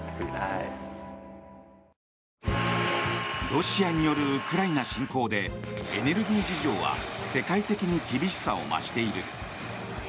ロシアによるウクライナ侵攻でエネルギー事情は世界的に厳しさを増している。